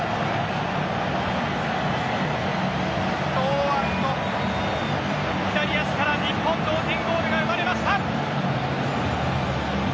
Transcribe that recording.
堂安の左足から日本同点ゴールが生まれました。